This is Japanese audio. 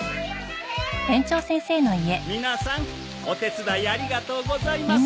皆さんお手伝いありがとうございます。